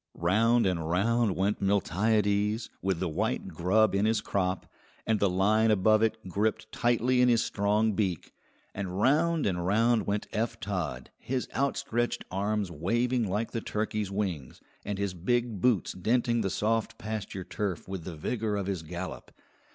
Round and round went Miltiades, with the white grub in his crop, and the line above it gripped tightly in his strong beak; and round and round went Eph Todd, his outstretched arms waving like the turkey's wings, and his big boots denting the soft pasture turf with the vigour of his gallop.